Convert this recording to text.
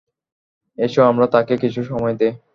এসো আমরা তাঁকে কিছু সময় দেই।